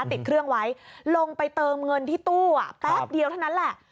ติดเครื่องไว้ลงไปเติมเงินที่ตู้แป๊บเดียวเท่านั้นแหละ